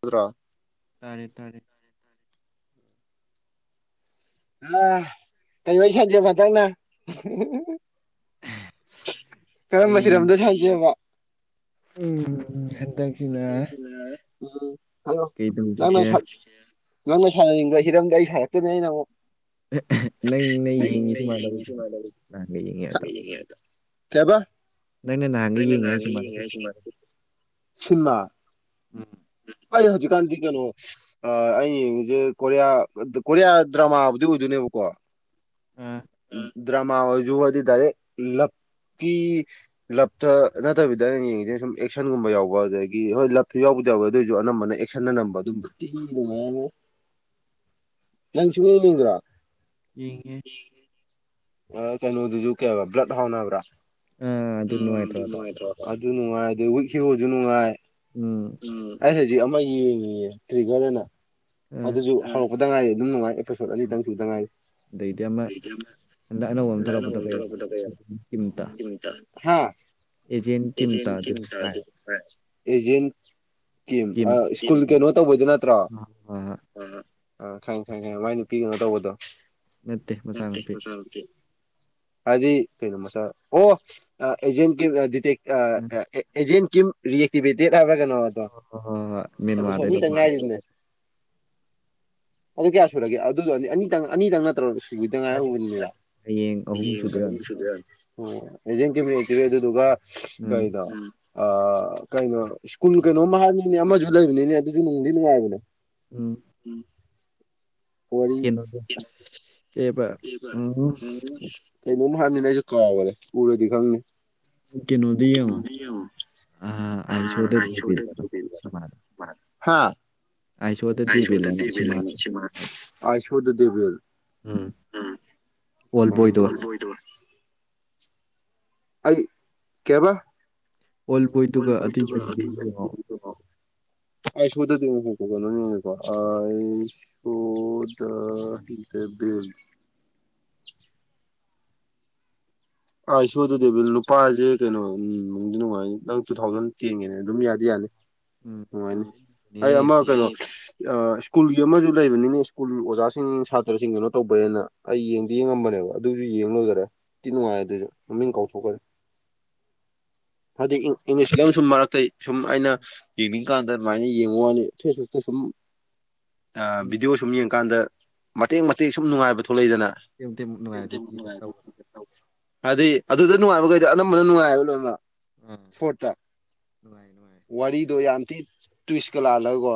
ꯑꯗꯨ꯭ꯔꯣ ꯇꯥꯔꯦ ꯇꯥꯔꯦ ꯑꯥ ꯀꯩ ꯑꯣꯏꯏꯁꯒꯦ ꯐꯇꯪꯅ [inaudible] ꯀꯔꯝꯕꯔꯝꯗ ꯆꯁꯦꯕ ꯎꯝ ꯎꯝ ꯍꯂꯣ ꯅꯪꯅ ꯁꯥꯟꯅꯅꯤꯡꯕ ꯍꯤꯔꯝꯗ ꯑꯩ ꯁꯥꯔꯛꯇꯅꯦ ꯑꯩꯅ ꯑꯃꯨꯛ ꯅ ꯅ ꯂꯩꯁꯨ ꯃꯥꯗ ꯀꯩꯕꯥ ꯑꯩꯅꯥ ꯉꯍꯥꯟꯒꯩ ꯌꯦꯡꯒꯦ ꯍꯥꯏꯕꯥ ꯁꯤꯃꯥ ꯗꯣ ꯁꯤꯃꯥ ꯎꯝ ꯑꯩ ꯍꯧꯖꯤꯛꯀꯥꯟꯗꯤ ꯀꯩꯅꯣ ꯑꯩꯅ ꯌꯦꯡꯉꯤꯁꯦ ꯀꯣꯔꯤꯌꯥ ꯀꯣꯔꯤꯌꯥ ꯗ꯭ꯔꯃꯥꯕꯨꯗꯤ ꯑꯣꯏꯗꯣꯏꯅꯦꯕꯀꯣ ꯎ ꯎꯝ ꯗꯔ꯭ꯃꯥ ꯑꯣꯏꯔꯁꯨ ꯋꯔꯤꯗꯤ ꯗꯥꯏꯔꯦꯠ ꯂꯕ ꯀꯤ ꯂꯞꯇ ꯅꯠꯇꯕꯤꯗ ꯑꯩꯅ ꯌꯦꯡꯉꯤꯁꯦ ꯁꯨꯝ ꯑꯦꯛꯁꯟꯒꯨꯝꯕ ꯌꯥꯎꯕ ꯑꯗꯒꯤ ꯍꯣꯏ ꯂꯞꯁꯨ ꯌꯥꯎꯕꯨꯗꯤ ꯌꯥꯎꯋ ꯑꯗꯨꯑꯣꯏꯁꯨ ꯑꯅꯝꯕꯅ ꯑꯦꯛꯁꯟ ꯑꯅꯝꯕ ꯑꯗꯨꯝꯕ ꯅꯪ ꯁꯨꯛꯌꯦꯡ ꯌꯦꯡꯗꯔꯣ ꯌꯦꯡꯗꯦ ꯌꯥ ꯀꯩꯅꯣꯗꯨ ꯁꯨ ꯀꯩꯕ ꯕ꯭ꯔꯠ ꯍꯥꯞꯅꯥꯕ꯭ꯔꯥ ꯑ ꯑꯗꯨ ꯅꯨꯡꯉꯥꯏꯇꯔꯣꯗꯣ ꯅꯨꯡꯉꯥꯏ ꯑꯗꯨ ꯋꯤꯛꯈ꯭ꯌꯨꯖꯨ ꯅꯨꯡꯉꯥꯏ ꯎ ꯍꯧꯖꯤꯛ ꯑꯃ ꯌꯦꯡꯉꯤꯌꯦ ꯇꯔꯤꯒꯔ ꯑꯅ ꯑꯗꯨꯁꯨ ꯍꯧꯔꯛꯄꯗ ꯉꯥꯏꯔꯤ ꯑꯗꯨꯝ ꯅꯨꯡꯉꯥꯏ ꯑꯅꯤꯇꯪꯁꯨꯗ ꯉꯥꯏꯔꯤ ꯍꯟꯗꯛ ꯑꯅꯧꯕ ꯑꯃ ꯊꯣꯛꯂꯛꯄꯗꯣ ꯀꯩꯕ ꯍꯥꯥ ꯑꯦꯖꯦꯟ ꯀꯤꯝ ꯇꯥꯂꯗ ꯅꯨꯡꯉꯥꯏ ꯑꯦꯖꯦꯟ ꯀꯤꯝ ꯁ꯭ꯀꯨꯜ ꯀꯩꯅꯣ ꯇꯧꯕꯩꯗꯣ ꯅꯠꯇ꯭ꯔꯣ ꯑ ꯈꯪꯉꯦ ꯈꯪꯉꯦ ꯃꯥꯏ ꯅꯨꯄꯤꯀꯩꯅꯣ ꯇꯧꯕꯗꯣ ꯅꯠꯇꯦ ꯃꯆꯥꯄꯤ ꯍꯥꯏꯗꯤ ꯀꯩꯅꯣ ꯃꯆꯥ ꯑꯣ ꯑꯦꯖꯦꯟ ꯀꯤꯝ ꯗꯤꯇꯦꯛ ꯑ ꯑꯦꯖꯦꯟ ꯀꯤꯝ ꯔꯤꯌꯦꯛꯇꯤꯚꯦꯇꯦꯠ ꯍꯥꯏꯕ꯭ꯔꯥ ꯀꯩꯅꯣ ꯑꯗꯣ ꯢꯄꯤꯁꯣꯠ ꯑꯅꯤꯇ ꯉꯥꯏꯔꯤꯕꯅꯦ ꯑꯗꯨ ꯀꯌꯥ ꯁꯨꯔꯒꯦ ꯑꯗꯨꯗ ꯑꯅꯤ ꯑꯅꯤꯇꯪ ꯅꯠꯇ꯭ꯔꯁꯨ ꯁꯨꯒꯤꯗ ꯉꯥꯢꯍꯧꯔꯤꯕꯅꯤꯗ ꯍꯌꯦꯡ ꯑꯍꯨꯝ ꯁꯨꯗꯣꯢ ꯑꯣꯢꯔꯝ ꯑꯣ ꯑꯦꯖꯦꯟ ꯀꯤꯝ ꯔꯤꯑꯦꯛꯇꯤꯚꯦꯇꯦꯠꯗꯨꯒ ꯀꯩꯅꯣ ꯑ ꯀꯩꯅꯣ ꯁ꯭ꯀꯨꯜ ꯀꯩꯅꯣꯝꯃ ꯍꯥꯏꯅꯤꯅꯦ ꯑꯃꯁꯨ ꯂꯩꯕꯅꯤꯅꯦ ꯑꯗꯨꯁꯨ ꯅꯨꯡꯗꯤ ꯅꯨꯡꯉꯥꯏꯕꯅꯦ ꯎꯝ ꯀꯦꯅꯣꯗꯣ ꯀꯩꯕ ꯎꯝ ꯀꯩꯅꯣꯝ ꯍꯥꯏꯅꯤꯅꯦ ꯑꯩꯁꯨ ꯀꯥꯎꯔꯦ ꯎꯔꯗꯤ ꯈꯪꯅꯤ ꯀꯩꯅꯣꯗꯤ ꯌꯦꯡꯉꯣ ꯑ ꯑꯥꯏ ꯁꯣꯗꯦ ꯃꯨꯕꯤꯗꯣ ꯁꯤꯃꯥꯗꯣ ꯍꯥꯥ ꯑꯥꯏ ꯁꯣ ꯗ ꯗꯦꯕꯤꯜ ꯍꯥꯏꯅ ꯁꯤꯃꯥ ꯑꯥꯏ ꯁꯣ ꯗ ꯗꯦꯕꯤꯜ ꯎꯝ ꯑꯣꯜ ꯕꯣꯏꯗꯣ ꯑꯩ ꯀꯦꯑꯕ ꯑꯣꯏꯜ ꯄꯣꯏꯠꯇꯨꯒ [unintelligible] ꯌꯦꯡꯉꯛꯑꯣ [unintelligible] ꯑꯥꯏ ꯁꯨ ꯗ ꯒꯤ ꯇꯕꯤꯜ [inaudible] ꯑꯥ ꯏꯁꯣꯏꯗꯗꯤꯦ ꯅꯨꯄꯥꯁꯦ ꯀꯩꯅꯣ ꯎ ꯅꯨꯡꯗꯤ ꯅꯨꯡꯉꯥꯏꯅꯤ ꯅꯪ ꯇꯨ ꯊꯥꯎꯖꯟ ꯇꯦꯟꯉꯦꯅꯦ ꯑꯗꯨꯝ ꯌꯥꯗꯤ ꯌꯥꯅꯤ ꯍꯅꯦ ꯑꯩ ꯑꯃ ꯀꯩꯅꯣ ꯑ ꯁ꯭ꯀꯨꯜꯒꯤ ꯑꯃꯁꯨ ꯂꯩꯕꯅꯤꯅꯦ ꯁ꯭ꯀꯨꯜ ꯑꯣꯖꯥꯁꯤꯡ ꯁꯥꯇ꯭ꯔꯁꯤꯡ ꯀꯩꯅꯣ ꯇꯧꯕꯑꯅ ꯑꯩ ꯌꯦꯡꯗꯤ ꯌꯦꯡꯉꯝꯕꯅꯦ ꯀꯩꯕ ꯑꯗꯨꯗꯤ ꯌꯦꯡ ꯂꯣꯏꯖꯔꯦ ꯇꯤ ꯅꯨꯡꯉꯥꯏ ꯑꯗꯨꯁꯨ ꯃꯃꯤꯡ ꯀꯥꯎꯊꯣꯛꯈꯔꯦ ꯍꯥꯏꯗꯤ ꯏꯪꯂꯤꯁ ꯁꯨꯝ ꯃꯔꯛꯇ ꯁꯨꯝ ꯑꯩꯅ ꯌꯦꯡꯅꯤꯡ ꯀꯥꯟꯗ ꯑꯗꯨꯃꯥꯏꯅ ꯌꯦꯡꯉꯨ ꯋꯥꯅꯤ ꯐꯦꯁꯕꯨꯛꯇ ꯁꯨꯝ ꯚꯤꯗꯤꯑꯣ ꯁꯨꯝ ꯌꯦꯡꯀꯥꯟꯗ ꯃꯇꯦꯛ ꯃꯇꯦꯛ ꯁꯨꯝ ꯅꯨꯡꯉꯥꯏꯕ ꯊꯂꯗꯅꯅꯨꯡꯉ ꯍꯥꯏꯗꯤ ꯑꯗꯨꯗ ꯅꯨꯡꯉꯥꯏꯕꯈꯩꯗꯤ ꯑꯅꯝꯕꯅ ꯅꯨꯡꯉꯥꯏꯑꯦꯕ ꯂꯣꯏꯃꯛ ꯐꯣꯇ ꯋꯥꯔꯤꯔꯤꯗꯣ ꯌꯥꯝꯝ ꯊꯤ ꯇ꯭ꯨꯁꯀ ꯂꯥꯂꯒ ꯀ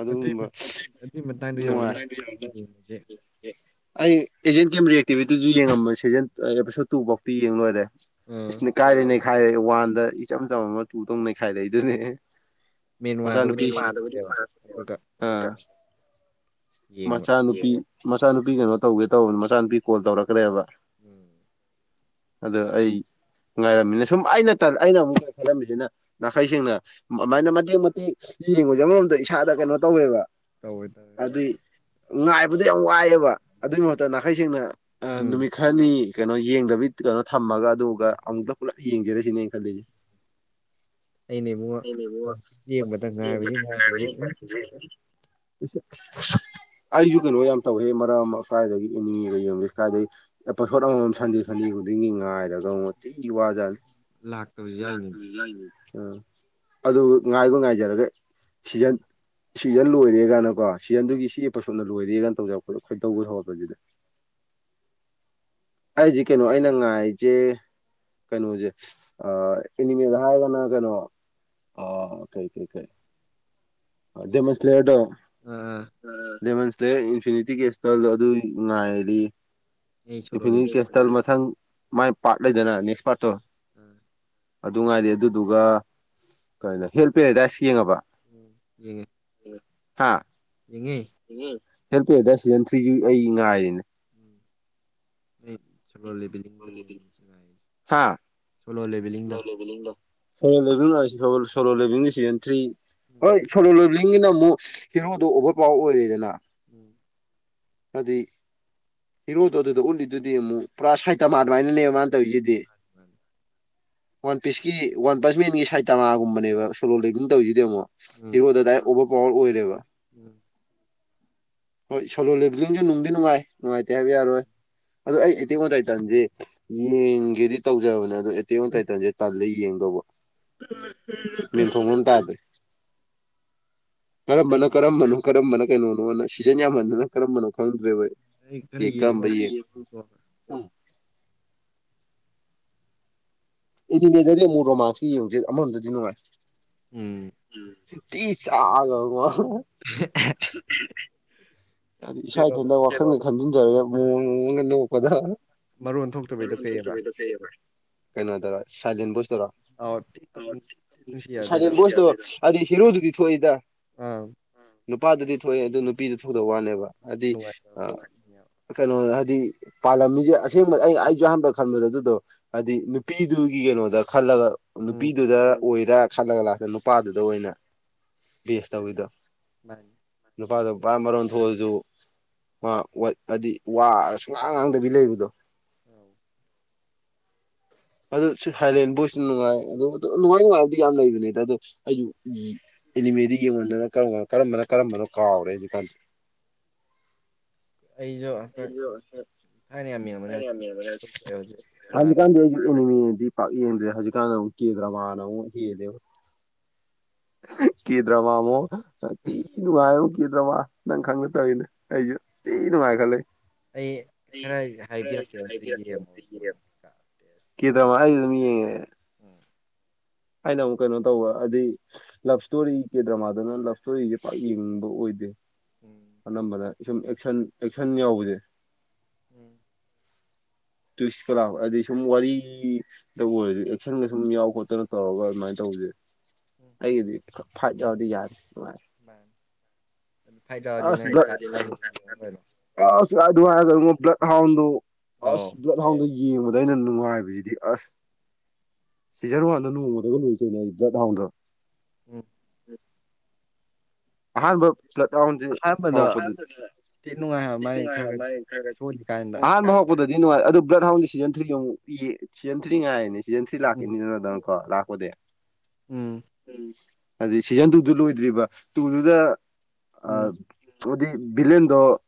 ꯑꯗꯨꯒꯨꯝꯕ [unintelligible] ꯅꯨꯡꯉꯥꯏ [unintelligible] ꯑꯩ ꯑꯦꯖꯦꯟ ꯀꯦꯝ ꯔꯤꯑꯦꯛꯇꯤꯕꯤꯇꯤꯁꯨ ꯌꯦꯡꯉꯝꯕꯅꯦ ꯁꯤꯖꯟ ꯑ ꯑꯦꯄꯤꯁꯣꯗ ꯇꯨ ꯐꯧꯗꯤ ꯌꯦꯡ ꯂꯣꯏꯔꯦ ꯎꯝ ꯍꯥꯏꯗꯤ ꯅꯩꯈꯥꯏꯔꯦꯍꯦ ꯋꯥꯟꯗ ꯏꯆꯝ ꯆꯝꯃꯝ ꯃ ꯇꯨ ꯗ ꯑꯃꯨꯛ ꯅꯩꯈꯥꯏꯔꯛꯏ ꯗꯨꯅꯦ [unintelligible] ꯃꯆꯥꯅꯨꯄꯤꯁꯤ [unintelligible] ꯑꯥ ꯃꯆꯥꯅꯨꯄꯤ ꯃꯆꯥꯅꯨꯄꯤ ꯀꯩꯅꯣ ꯇꯧꯒꯦ ꯇꯧꯕ ꯃꯆꯥꯅꯨꯄꯤ ꯀꯣꯜ ꯇꯧꯔꯛꯈ꯭ꯔꯦꯕ ꯎꯝ ꯑꯗ ꯑꯩ ꯉꯥꯏꯔꯝꯃꯤꯅꯦ ꯁꯨꯝ ꯑꯩꯅ ꯇꯟ ꯑꯩꯅ [unintelligible] ꯈꯜꯂꯝꯃꯤꯁꯤꯅ ꯅꯥꯈꯩꯁꯦꯡꯅ ꯑꯝ ꯑꯝꯃꯥꯏꯅ ꯃꯇꯦꯛ ꯃꯇꯦꯛ ꯌꯦꯡꯕꯁꯦ ꯑꯃꯃꯝꯗ ꯏꯁꯥꯗ ꯀꯩꯅꯣ ꯇꯧꯋꯦꯕ ꯇꯧꯋꯏ ꯇꯋꯦ ꯉꯥꯏꯕꯗꯨꯣ ꯌꯥꯝ ꯋꯥꯏꯑꯦꯕ ꯑꯗꯨꯒꯤ ꯃꯍꯠꯇ ꯅꯥꯈꯩ ꯁꯦꯡꯅ ꯅꯨꯃꯤꯠ ꯈꯔꯅꯤ ꯀꯩꯅꯣ ꯌꯦꯡꯗꯕꯤ ꯀꯩꯅꯣ ꯊꯝꯃꯒ ꯑꯗꯨꯒ ꯑꯃꯨꯛꯇ ꯄꯨꯂꯞ ꯌꯦꯡꯖꯔꯦ ꯁꯤꯅꯦ ꯈꯜꯂꯤꯅꯦ ꯑꯅꯦ ꯃ [inaudible] ꯑꯩꯁꯨ ꯀꯩꯅꯣ ꯌꯥꯝ ꯇꯧꯋꯦ ꯃꯔꯝ ꯀꯥꯏꯗꯒꯤ ꯏꯅꯤꯡꯉꯒ ꯌꯦꯡꯒꯦ ꯀꯥꯏꯏꯗꯒꯤ ꯑꯦꯄꯥꯁꯣꯠ ꯑꯃꯃꯝ ꯁꯥꯟꯗꯤ ꯁꯟꯗꯤ ꯈꯨꯗꯤꯡꯒꯤ ꯉꯥꯏꯔꯒ ꯑꯃ ꯃꯇꯤꯗꯤ ꯋꯥꯖꯠꯅꯤ ꯂꯥꯛꯥꯛ ꯂꯥꯏ ꯑꯥ ꯑꯗꯨ ꯉꯥꯏꯒꯣ ꯉꯥꯏꯖꯔꯒ ꯁꯤꯖꯟ ꯁꯤꯖꯟ ꯂꯣꯏꯔꯦ ꯀꯅꯀꯣ ꯁꯤꯖꯟꯗꯨꯒꯤ ꯁꯤ ꯏꯦꯞꯄ ꯁꯣꯠꯅ ꯂꯣꯏꯔꯦꯒꯅ ꯇꯧꯖꯔꯛꯄꯣ ꯑꯩꯈꯣꯏ ꯇꯧꯕ ꯊ ꯍꯧꯔꯠꯄꯁꯤꯗ ꯑꯩꯁꯦ ꯀꯩꯅꯣ ꯑꯩꯅ ꯉꯥꯏꯁꯦ ꯀꯩꯅꯣꯁꯦ ꯑ ꯏꯅꯤꯃꯦꯗ ꯍꯥꯏꯔꯒꯅ ꯀꯩꯅꯣ ꯑ ꯀꯩ ꯀꯩ ꯀꯩ ꯑꯗꯨꯗ ꯃꯁꯂꯗꯣ ꯑꯦ ꯃꯟꯁꯂꯦ ꯏꯟꯐꯤꯟꯅꯤꯇꯤꯒ ꯑꯦꯁꯇꯜꯣ ꯑꯗꯨ ꯏ ꯉ ꯍꯥꯏꯂꯤ ꯏꯐꯤꯅꯤ ꯀꯦꯁꯇꯜ ꯃꯊꯪ ꯃꯥꯏ ꯄꯥꯔꯠ ꯂꯩꯗꯅ ꯅꯦꯛꯁ ꯄꯥꯔꯠꯇꯣ ꯑꯗꯨꯉꯥꯏꯗꯦ ꯑꯗꯨꯗꯨꯒ ꯀ ꯍꯦꯜ ꯄꯦꯔꯦꯗꯥꯏꯁ ꯌꯦꯡꯉꯕ ꯎꯝ ꯎꯝ ꯍꯥ ꯍꯦꯜ ꯄꯌꯔꯗ ꯁꯤꯖꯟ ꯊ꯭ꯔꯤꯒꯤ ꯑꯩ ꯉꯥꯏꯔꯤꯅꯦ ꯁꯒ ꯂꯩꯕ ꯍꯥꯥ ꯁꯂꯣ ꯂꯦꯕꯂꯤꯡꯗ ꯁꯣ ꯂꯦꯕꯤꯜ ꯁꯂꯣ ꯂꯦꯕꯤ ꯁꯤ ꯊꯔꯤ ꯍꯂꯣ ꯂ ꯅ ꯑꯃꯨꯛ ꯍꯤꯔꯣꯗꯣ ꯑꯣꯚꯔ ꯄꯋꯥꯔ ꯑꯣꯏꯔꯦꯗꯅ ꯎꯝ ꯑꯗꯤ ꯍꯤꯔꯣꯗꯣ ꯑꯗꯨꯗ ꯎꯠꯂꯤꯗꯨꯗꯤ ꯑꯃꯨꯛ ꯄꯨꯔꯥ ꯁꯋꯥꯇ ꯃꯥꯥꯟ ꯑꯗꯨꯃꯥꯏꯅ ꯂꯩꯕ ꯃꯥꯅ ꯇꯧꯔꯤꯁꯤꯗꯤ ꯃꯥ ꯃꯥꯅꯤ ꯋꯥꯟ ꯄꯤꯁꯀꯤ ꯋꯥꯟ ꯄ꯭ꯂꯁ ꯃꯦꯟꯒꯤ ꯁꯥꯏ ꯇꯃꯥꯒꯨꯝꯕꯅꯦꯕ ꯁꯣꯂꯣ ꯂꯩꯒꯝ ꯇꯧꯔꯤꯁꯤꯗꯤ ꯑꯃꯨꯛ ꯍꯤꯔꯣꯗꯗꯥ ꯑꯣꯚꯔ ꯄꯋꯥꯔ ꯑꯣꯏꯔꯦꯕ ꯎꯝ ꯍꯣꯏ ꯁꯣꯂꯣ ꯂꯤꯦꯕꯗꯤꯡꯁꯨ ꯅꯨꯡꯗꯤ ꯅꯨꯡꯉꯥꯏ ꯅꯨꯡꯉꯥꯏꯇꯦ ꯍꯥꯏꯕ ꯌꯥꯔꯣꯏ ꯑꯣ ꯑꯩ ꯏꯇꯦꯛ ꯋꯥꯇꯥꯏꯇꯟꯁꯦ ꯌꯦꯡꯒꯦꯗꯤ ꯇꯧꯖꯕꯅꯦ ꯑ ꯇ ꯇꯦꯌꯣꯟ ꯇꯥꯏꯇꯟꯁꯦ ꯇꯜꯂ ꯌꯦꯡꯗꯧꯕ ꯃꯦꯟꯊꯣꯡꯝ ꯇꯥꯗ꯭ꯔꯦ ꯀꯔꯝꯕꯅ ꯀꯔꯝꯕꯅꯣ ꯀꯔꯝꯕꯅ ꯀꯩꯅꯣꯅꯣꯅ ꯁꯤꯖꯟ ꯌꯥꯝꯃꯟꯗꯅ ꯀꯔꯝꯕꯅꯣ ꯈꯪꯗ꯭ꯔꯦꯕꯣꯏ ꯌꯦ ꯀꯝꯏ ꯑꯩꯗꯤ ꯂꯩꯖꯔꯤ ꯑꯃꯨꯛ ꯔꯣꯃꯥꯟꯁꯤ ꯌꯦꯡꯨꯁꯦ ꯑꯃꯃꯗꯗꯤ ꯅꯨꯡꯉꯥꯏ ꯎꯝ ꯇꯤ ꯆꯒ ꯍꯥꯏꯗꯤ ꯏꯁꯥ ꯏꯊꯟꯇ ꯋꯥꯈꯜꯒ ꯈꯟꯖꯤꯟꯖꯔꯒꯦ ꯃꯑꯣ ꯃꯣꯡꯒ ꯅꯣꯛꯄꯗ ꯃꯔꯔ ꯊ ꯆꯃꯤꯗ ꯀꯩ ꯍꯥꯏꯕꯔ ꯀꯩꯅꯣꯗꯔꯣ ꯁꯖꯦꯟ ꯣꯁ ꯇꯔꯣ ꯁꯥꯏꯦꯟ ꯁꯇ ꯑꯗꯨꯗꯤ ꯍꯔꯨꯗꯨꯗꯤ ꯊꯣꯛꯑꯏꯗ ꯑꯥ ꯅꯨꯄꯥꯗꯗꯤ ꯊꯣꯛꯑꯦ ꯑꯗꯨ ꯅꯨꯄꯤꯗ ꯊꯨꯗꯕ ꯋꯥꯅꯦꯕ ꯍꯥꯏꯗꯤ ꯀꯩꯅꯣ ꯍꯥꯏꯗꯤ ꯄꯥꯜꯂꯝꯃꯤꯁꯦ ꯑꯁꯦꯡꯕ ꯑꯩ ꯑꯩꯁꯨ ꯑꯍꯥꯟꯕ ꯈꯟꯕꯗꯣ ꯑꯗꯨꯗꯣ ꯍꯥꯏꯗꯤ ꯅꯨꯄꯤꯗꯨꯒꯤ ꯀꯩꯅꯣꯗ ꯈꯜꯂꯒ ꯅꯨꯄꯤꯗꯨꯗ ꯑꯣꯏꯔ ꯈꯜꯂꯒ ꯂꯥꯛꯇ ꯅꯨꯄꯥꯗꯨꯗ ꯑꯣꯏꯅ ꯕꯤ ꯑꯦꯁ ꯇꯧꯋꯤꯗ ꯅꯨꯄꯥꯗ ꯋꯥ ꯃꯔꯣꯟꯊꯣꯑꯁꯨ ꯍꯥꯏꯗꯤ ꯋꯥꯔ ꯁꯨꯡꯉꯥꯡ ꯉꯥꯡꯗꯕꯤ ꯂꯩꯕꯗꯣ ꯑ ꯑꯗꯨ ꯁꯤ ꯊꯥꯏꯂꯦꯟꯕꯨꯣꯏꯁꯤꯅ ꯅꯨꯡꯉꯥꯏ ꯑꯗꯣ ꯅꯨꯡꯉꯥꯏ ꯅꯨꯡꯉꯥꯏꯕꯗꯤ ꯌꯥꯝ ꯂꯩꯕꯅꯤꯗ ꯑꯗꯣ ꯑꯩꯁꯨ ꯎꯝ ꯏꯅꯤꯃꯤꯗꯤꯒꯦ ꯋꯥꯗꯅ ꯝꯕ ꯀꯔꯝꯕꯅ ꯀꯔꯝꯕꯅꯣ ꯀꯥꯎꯔꯦ ꯍꯧꯖꯤ ꯀꯥꯟ ꯑꯩꯁꯨ ꯍꯇ ꯀ ꯌꯦꯟꯦ ꯍꯧꯖꯤꯛꯀꯥꯟꯅ ꯀꯦꯗ꯭ꯔꯥ ꯃꯥꯅ ꯍꯦꯗꯦ ꯀꯗ꯭ꯔꯃꯃꯣ ꯇꯤ ꯅꯨꯡꯉꯥꯏ ꯑꯃꯨꯛ ꯀꯗ꯭ꯔꯃ ꯅꯪ ꯈꯪꯅ ꯇꯧꯔꯤꯅꯦ ꯑꯩꯁꯨꯇꯤ ꯅꯨꯡꯉꯥꯏ ꯈꯜꯂ ꯑꯩꯗꯤ ꯀꯤꯗ ꯃꯥꯗꯤ ꯑꯗꯨꯝ ꯌꯦꯉ ꯑꯩꯅ ꯑꯃꯨꯛ ꯀꯩꯅꯣ ꯇꯧꯕ ꯑꯗꯨꯗꯤ ꯂꯞ ꯏꯁꯇꯣꯔꯤꯒꯤ ꯗ꯭ꯔꯃꯥꯗꯨꯅ ꯂꯞ ꯏꯁꯇꯣꯔꯤꯁꯦ ꯄꯥꯛ ꯌꯦꯡꯅꯤꯡꯕ ꯑꯣꯏꯗꯦ ꯑꯅꯝꯕꯅ ꯁꯨꯝ ꯑꯦꯛꯁꯟ ꯑꯦꯛꯁꯟ ꯌꯥꯎꯕꯁꯦ ꯎꯝ ꯇꯨꯋꯁꯀ ꯂꯥꯛ ꯑꯩ ꯁꯨꯝ ꯋꯥꯔꯤꯗꯕꯨ ꯑꯣꯏꯔꯁꯨ ꯑꯦꯛꯁꯟꯒ ꯁꯨꯝ ꯌꯥꯎ ꯈꯣꯠꯇꯅ ꯇꯧꯔꯒ ꯑꯗꯨꯃꯥꯏꯅ ꯇꯧꯕꯁꯦ ꯑꯩꯗꯤ ꯐꯗꯤ ꯌꯥꯔ [unintelligible] ꯑ ꯁꯤ ꯑꯁ ꯕꯠ ꯍꯥꯎꯗ ꯌꯦꯡꯕꯗ ꯑꯩꯅ ꯅꯨꯡꯉꯥꯏꯕꯁꯤꯗꯤ ꯑꯁ ꯁꯤꯖꯟ ꯋꯥꯟꯗ ꯅꯣꯡꯃꯗꯒ ꯂꯣꯏꯗꯣꯏꯅꯦ ꯑꯩ ꯕ꯭ꯂꯠ ꯍꯥꯎꯟꯗ꯭ꯔ ꯎ ꯑꯍꯥꯟꯕ [unintelligible] ꯅꯨꯡ ꯈꯔ ꯊ ꯑꯗꯨꯗꯤ ꯅꯨꯡꯉꯥꯏ ꯑꯗꯨ ꯕ꯭ꯂꯔ ꯍꯥꯎꯟꯗꯤ ꯁꯤꯖꯟ ꯊ꯭ꯔꯤꯒꯤ ꯑꯃꯨꯛ ꯏꯌꯦ ꯁꯤꯖꯟ ꯊ꯭ꯔꯤ ꯉꯥꯏꯔꯅꯤ ꯁꯤꯖꯟ ꯊ꯭ꯔꯤ ꯂꯥꯛꯀꯦꯅꯤꯗꯅ ꯀꯣ ꯂꯥꯛꯄꯗꯤ ꯎꯝ ꯍꯥꯏꯗꯤ ꯁꯤꯖꯟ ꯇꯨꯗꯨ ꯂꯣꯏꯗ꯭ꯔꯤꯕ ꯇꯗꯨꯗ ꯑ ꯑꯗꯨꯗꯤ ꯕꯤꯂꯦꯟꯗꯣ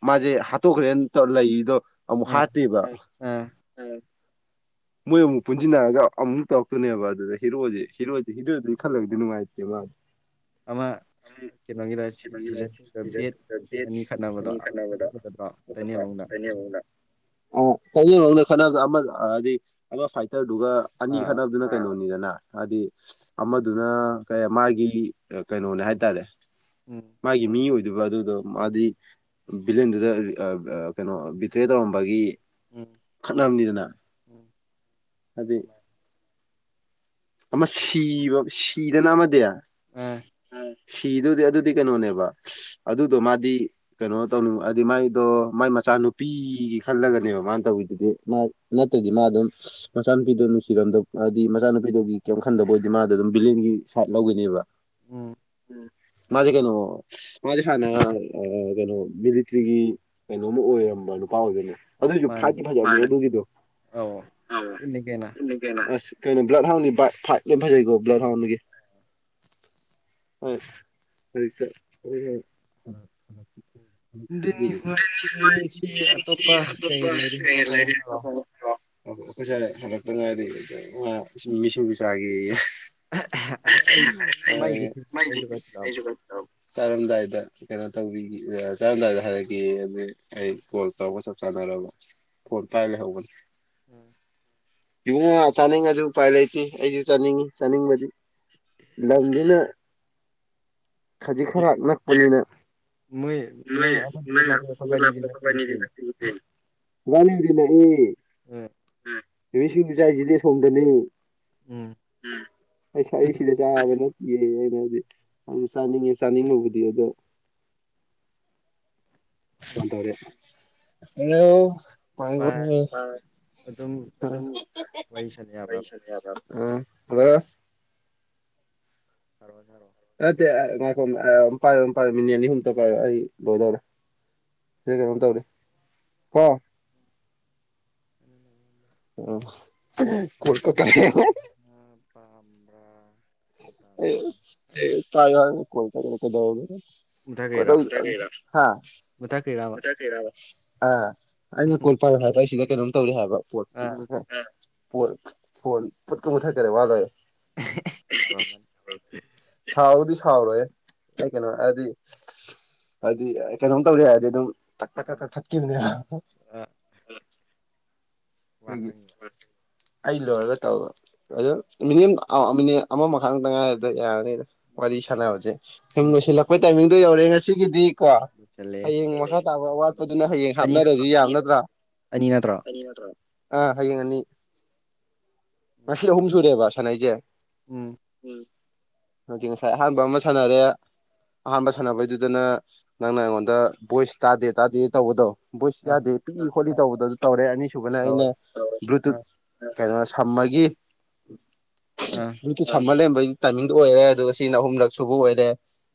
ꯃꯥꯁꯦ ꯍꯥꯠꯇꯣꯛꯈ꯭ꯔꯦꯅ ꯂꯩꯗꯣ ꯑꯃ ꯍꯥꯇꯕ [unintelligible] ꯃꯣꯏ ꯑꯃꯨꯛ ꯄꯨꯟꯁꯤꯟꯅꯔꯒ ꯑꯃꯨꯛ ꯇꯧꯔꯛꯇꯣꯏꯅꯦꯕ ꯑꯗꯨꯗ ꯍꯤꯔꯣꯁꯦ ꯍꯤꯔꯣꯏꯁꯦ ꯍꯤꯔꯣꯏꯗꯨꯗꯤ ꯈꯜꯂꯒꯗꯤ ꯅꯨꯡꯉꯥꯏꯇꯦ ꯃꯥ ꯑꯃꯥꯡ ꯀꯩꯅꯣꯒꯤꯗ ꯁꯤ ꯕꯦꯠ ꯑꯅꯤ ꯈꯠꯅꯕꯗꯣꯣ ꯇꯅꯤꯃ ꯅ ꯑꯣ ꯀꯩꯅꯧꯅ ꯈꯠꯅꯕꯗ ꯑꯃ ꯍꯥꯏꯗꯤ ꯑꯃ ꯐꯥꯏꯇꯔ ꯑꯗꯨꯒ ꯑꯅꯤ ꯈꯠꯅꯕꯗꯨꯅ ꯀꯩꯅꯣꯅꯤꯗꯅ ꯍꯥꯏꯗꯤ ꯑꯃꯗꯨꯅ ꯀꯩ ꯃꯥꯒꯤ ꯀꯩꯅꯣꯅꯦ ꯍꯥꯏꯇꯥꯔꯦ ꯃꯥꯒꯤ ꯃꯤ ꯑꯣꯏ ꯑꯗꯨꯒ ꯑꯗꯨꯗꯣ ꯃꯥꯗꯤ ꯚꯤꯂꯦꯟꯗꯨꯗ ꯀꯩꯅꯣ ꯕꯤꯇ꯭ꯔꯦ ꯇꯧꯔꯝꯕꯒꯤ ꯈꯠꯂꯝꯕꯅꯤꯗꯅ ꯍꯥꯏꯗꯤ ꯑꯃ ꯁꯤꯕ ꯁꯤꯗꯅ ꯑꯃꯗꯤ ꯁꯤꯗꯨꯗꯤ ꯑꯗꯨꯗꯤ ꯀꯩꯅꯣꯅꯦꯕ ꯑꯗꯨꯗꯣ ꯃꯥꯗꯤ ꯀꯩꯅꯣ ꯇꯧꯅꯤꯡ ꯍꯥꯏꯗꯤ ꯃꯥꯏꯗꯣ ꯑꯣ ꯃꯥꯏ ꯃꯆꯥꯅꯨꯄꯤꯒꯤ ꯈꯜꯂꯒꯅꯦꯕ ꯃꯥꯅ ꯇꯧꯋꯤꯗꯨꯗꯤ ꯃꯥ ꯅꯠꯇ꯭ꯔꯗꯤ ꯃꯥ ꯑꯗꯨꯝ ꯃꯆꯥ ꯅꯨꯄꯤꯗꯣ ꯅꯨꯡꯁꯤꯔꯝꯗꯕ ꯍꯥꯏꯗꯤ ꯃꯆꯥ ꯅꯨꯄꯤꯗꯨꯒꯤ ꯀꯩꯝ ꯈꯟꯗꯕ ꯑꯣꯏꯗꯤ ꯃꯥꯗ ꯑꯗꯨꯝ ꯕꯤꯂꯤꯟꯒꯤ ꯁꯥꯏꯠ ꯂꯧꯒꯅꯦꯕ ꯎꯝ ꯃꯥꯁꯦ ꯀꯩꯅꯣ ꯃꯥꯁꯦ ꯍꯥꯟꯅ ꯀꯩꯅꯣ ꯃꯤꯂꯤꯇ꯭ꯔꯤꯒꯤ ꯀꯩꯅꯣꯝ ꯑꯣꯏꯔ ꯑꯝꯕꯜ ꯅꯨ ꯄꯥꯎꯒꯅ ꯑꯗꯨꯁꯨ ꯐꯥꯗꯤ ꯐꯖ ꯑꯗꯨꯒꯤꯗꯣ ꯑꯁ ꯀꯩꯅꯣ ꯕ꯭ꯂꯠ ꯍꯥꯎꯒꯤ ꯐꯥꯏꯞ ꯂꯣꯏ ꯐꯖꯩꯀꯣ ꯕ꯭ꯂꯠ ꯍꯥꯎꯒꯤ ꯑꯁ [unintelligible] ꯑꯣ ꯑꯩꯈꯣꯏ ꯆꯔꯦ ꯍꯟꯗꯛꯇ ꯉꯥꯏꯗꯤ ꯃꯤꯁꯤꯡ ꯆꯥꯈꯤ ꯁꯨ ꯂꯃ ꯆꯥꯔꯝꯗꯥꯏꯗ ꯀꯩꯅꯣ ꯇꯧꯕꯤ ꯆꯥꯔꯝꯗꯥꯏꯗ ꯍꯥꯏꯔꯛꯒꯦ ꯑꯗꯨ ꯑꯩ ꯀꯣꯜ ꯇ ꯆ ꯆꯥꯟꯅꯔꯕ ꯐꯣꯟ ꯄꯥꯏ ꯂꯩ ꯍꯧꯕꯅꯤ ꯏꯃꯨꯡꯉ ꯆꯥꯅꯤꯡꯉꯁꯨ ꯎꯄꯥꯏ ꯂꯩꯇꯦ ꯑꯩꯁꯨ ꯆꯥꯅꯤꯡꯉꯤ ꯆꯥꯅꯤꯡꯕꯗꯤ ꯂꯝꯗꯨꯅ ꯈꯖꯤꯛ ꯈꯔ ꯅꯛꯄꯒꯤꯅ ꯃꯣꯏ ꯅꯪ ꯁꯤ ꯅꯏ ꯅꯨꯃꯤꯁꯤꯡ ꯆꯥꯏꯁꯤꯗꯤ ꯑꯁꯣꯝꯗꯅꯤ ꯑꯩ ꯁꯋꯥꯁꯤꯗꯦ ꯆꯥ ꯅ ꯍꯥꯏꯗꯤ ꯑꯗꯨ ꯆꯥꯅꯤꯡꯉꯦ ꯆꯥꯅꯤꯡꯉꯕꯨꯗꯤ ꯑꯗꯣ ꯐꯣꯟ ꯇꯧꯔꯛꯑꯦ ꯍꯂꯣ ꯄꯁ [unintelligible] ꯎꯝ ꯑꯗ ꯍꯔꯣꯏ ꯍꯔꯣꯏ ꯑ ꯅꯠꯇꯦ ꯉꯥꯏꯈꯣ ꯑꯝ ꯄꯥꯏꯌꯣ ꯄꯥꯏꯌꯣ ꯃꯤꯅꯤꯠ ꯑꯅꯤ ꯑꯍꯨꯝꯇ ꯄꯥꯏꯌꯨ ꯑꯩ ꯂꯣꯏꯗꯧꯔꯦ ꯁꯤ ꯀ ꯇꯧꯕꯔ ꯀꯣ ꯎꯝ ꯑꯣ ꯀꯠꯀꯣꯇꯥꯔꯦ ꯇꯥꯏ ꯍ ꯀꯣꯜꯀꯇꯥ ꯀꯗ ꯀ ꯑ ꯑꯩꯅ ꯀꯣꯜꯄꯥ ꯍꯥꯏꯕ ꯑꯩꯁꯤꯗ ꯀꯩꯅꯣꯝ ꯇꯧꯔꯤ ꯍꯥꯏꯕ ꯄꯣ ꯐ ꯐ ꯄꯠ ꯀ ꯃꯊꯥ ꯀꯔꯦ ꯋꯥ ꯆꯥꯎꯕ꯭ꯔ ꯍꯥꯎꯔꯣꯏ ꯑꯩ ꯀꯩꯅꯣ ꯍꯥꯏꯗꯤ ꯍꯥꯏꯗꯤ ꯀꯩꯅꯣꯝ ꯇꯧꯔꯤ ꯍꯥꯏꯔꯗꯤ ꯑꯗꯨꯝ ꯊꯛ ꯊꯠꯀꯤꯅꯦ ꯍꯒꯤ ꯑꯩ ꯂꯣꯏꯔꯒ ꯇꯧꯕ ꯑꯗꯨ ꯃꯤꯅꯤ ꯃꯤꯅꯤ ꯑꯃ ꯃꯈꯥ ꯇ ꯉꯥꯏꯔꯗ ꯌꯥꯔꯅꯤ ꯋꯥꯔꯤ ꯁꯥꯟꯅꯕꯁꯦ ꯁꯨꯝ ꯂꯣꯏꯁꯤꯜꯂꯛꯄꯒꯤ ꯇꯥꯏꯃꯤꯡꯗꯣ ꯌꯧꯔꯦ ꯉꯁꯤꯒꯤꯗꯤ ꯀꯣ ꯍꯌꯦꯡ ꯃꯈꯥ ꯇꯥꯕ ꯑꯋꯥꯠꯄꯗꯨꯅ ꯍꯌꯦꯡ ꯍꯥꯞꯅꯔꯗꯤ ꯌꯥꯝꯅꯗ꯭ꯔꯥ ꯐꯔꯤ ꯑꯥ ꯍꯌꯦꯡ ꯑꯅꯤ ꯉꯁꯤ ꯑꯍꯨꯝ ꯁꯨꯔꯦꯕ ꯁꯥꯟꯅꯩꯁꯦ ꯎꯝ ꯑꯗꯨꯗꯤ ꯉꯁꯥꯏ ꯑꯍꯥꯟꯕ ꯑꯃ ꯁꯥꯟꯅꯔꯦ ꯑꯍꯥꯟꯕ ꯁꯥꯟꯅꯕꯩꯗꯨꯗꯅ ꯅꯪꯅ ꯑꯩꯉꯣꯟꯗ ꯚꯣꯏꯁ ꯇꯥꯗꯦ ꯇꯥꯗꯦ ꯇꯧꯕꯗꯣ ꯚꯣꯏꯁ ꯌꯥꯗꯦ ꯄꯤꯛꯏ ꯈꯣꯠꯂꯤ ꯇꯧꯕꯗꯁꯨ ꯇꯧꯔꯦ ꯑꯅꯤꯁꯨꯕꯅ ꯑꯩꯅ ꯕ꯭ꯂꯨꯇꯨꯠ ꯀꯩꯅꯣ ꯁꯝꯃꯒꯤ ꯕꯔꯨꯇꯨꯠ ꯁꯝꯃ ꯂꯩꯔꯕꯒꯤ ꯇꯥꯏꯃꯤꯡꯗ ꯑꯣꯏꯔꯦ ꯑꯗꯨꯒ ꯁꯤꯅ ꯑꯍꯨꯝꯂꯛ ꯁꯨꯕ ꯑꯣꯏꯔꯦ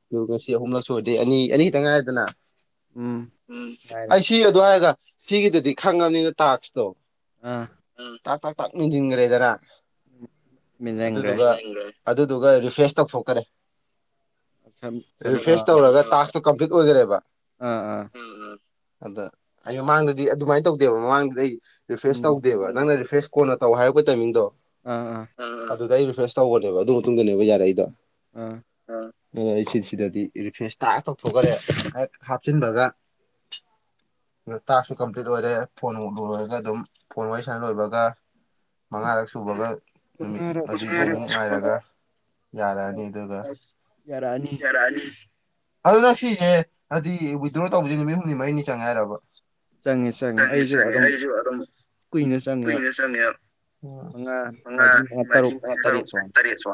ꯑꯗꯨ ꯉꯁꯤ ꯑꯍꯨꯝꯂꯛ ꯁꯣꯏꯗꯦ ꯑꯅꯤ ꯑꯅꯤ ꯈꯛꯇꯪ ꯉꯥꯏꯔꯗꯅ ꯎꯝ ꯑꯩ ꯁꯤ ꯑꯗꯨꯋꯥꯔꯒ ꯁꯤꯒꯤꯗꯗꯤ ꯈꯪꯉꯕꯅꯤꯅ ꯇꯥꯛꯁꯇꯣ ꯑꯥ ꯇꯥꯛ ꯇꯥꯛ ꯇꯥꯛ ꯃꯦꯟꯁꯤꯟꯈ꯭ꯔꯦꯗꯔ ꯑꯗꯨꯗꯨꯒ ꯑꯗꯨꯗꯨꯒ ꯔꯤꯐ꯭ꯔꯦꯁ ꯇꯧꯊꯣꯛꯈꯔꯦ ꯔꯤꯐ꯭ꯔꯦꯁ ꯇꯧꯔꯒ ꯇꯁ ꯀꯝꯄ꯭ꯂꯤꯠ ꯑꯣꯏꯈꯔꯦꯕ ꯑꯥ ꯑꯥ ꯑꯗ ꯑꯩ ꯃꯃꯥꯡꯗꯗꯤ ꯑꯗꯨꯃꯥꯏꯅ ꯇꯧꯗꯦꯕ ꯃꯃꯥꯡꯗꯗꯤ ꯑꯩ ꯔꯤꯐ꯭ꯔꯦꯁ ꯇꯧꯗꯦꯕ ꯅꯪꯅ ꯔꯤꯐ꯭ꯔꯦꯁ ꯀꯣꯟꯅ ꯇꯧ ꯍꯥꯏꯔꯛꯄꯒꯤ ꯇꯥꯏꯃꯤꯡꯗꯣ ꯑꯗꯨꯗ ꯑꯩ ꯔꯤꯐ꯭ꯔꯦꯁ ꯇꯧꯕꯅꯦꯕ ꯑꯗꯨ ꯃꯇꯨꯡꯗꯅꯦꯕ ꯌꯥꯔꯦ ꯑꯩꯗꯣ ꯎꯝ ꯑꯣ ꯑꯩ ꯁꯤ ꯁꯤꯗꯗꯤ ꯔꯤꯐ꯭ꯔꯦꯁ ꯇꯥꯛ ꯇꯧꯊꯣꯛꯈꯂꯦ ꯍꯦꯛ ꯍꯥꯞꯆꯤꯟꯕꯒ ꯇꯥꯛꯁꯨ ꯀꯝꯄ꯭ꯂꯤꯠ ꯑꯣꯏꯔꯦ ꯐꯣꯟꯃꯨꯛ ꯂꯨꯔꯔꯒ ꯑꯗꯨꯝ ꯐꯣꯟ ꯋꯥꯔꯤ ꯁꯅ ꯂꯣꯏꯕꯒ ꯃꯉꯥꯔꯛ ꯁꯨꯕꯒ ꯅꯨꯃꯤꯠ ꯑꯗꯨ ꯉꯥꯏꯔꯒ ꯌꯥꯔꯅꯤ ꯑꯗꯨꯒꯒ ꯌꯥꯔꯅꯤ ꯑꯗꯨꯅ ꯁꯤꯁꯦ ꯍꯥꯏꯗꯤ ꯋꯤꯗ꯭ꯔꯣ ꯇꯧꯕꯁꯦ ꯅꯨꯃꯤꯠ ꯍꯨꯝꯅꯤ ꯃꯔꯤꯅꯤ ꯆꯪꯉꯥꯏꯔꯕ ꯆꯪꯉꯦ ꯆꯪꯉꯦ ꯑꯩꯁꯨ ꯑꯗꯨꯝ ꯀꯨꯏꯅ ꯆꯪꯉꯉꯖꯤ ꯇꯔꯨꯛ ꯇꯔꯦꯠꯁ